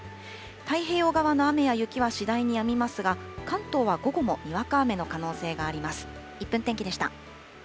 太平洋側の雨や雪は次第にやみますが、関東は午後もにわか雨の可能性があります。